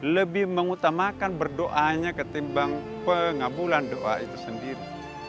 lebih mengutamakan berdoanya ketimbang pengabulan doa itu sendiri